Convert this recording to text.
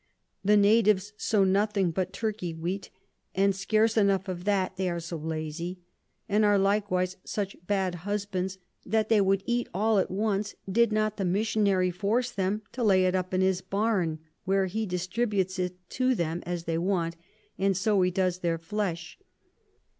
The Natives sow nothing but Turky Wheat, and scarce enough of that, they are so lazy: and are likewise such bad Husbands, that they would eat all at once, did not the Missionary force 'em to lay it up in his Barn, where he distributes it to 'em as they want, and so he does their Flesh.